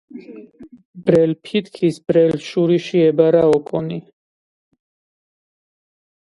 ბრელ ფითქის ბრელ შურიში ებარა ოკონი